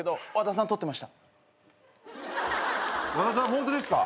ホントですか？